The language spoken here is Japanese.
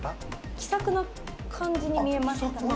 気さくな感じに見えました。